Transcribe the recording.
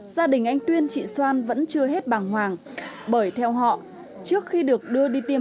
gia đình anh tuyên chị xoan vẫn chưa hết bàng hoàng bởi theo họ trước khi được đưa đi tiêm